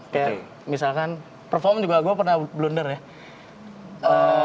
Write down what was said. kayak misalkan perform juga gue pernah blunder ya